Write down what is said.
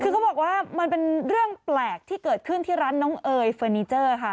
คือเขาบอกว่ามันเป็นเรื่องแปลกที่เกิดขึ้นที่ร้านน้องเอ๋ยเฟอร์นิเจอร์ค่ะ